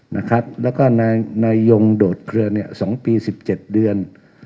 นะครับแล้วก็นายนายยงโดดเครือเนี่ยสองปีสิบเจ็ดเดือน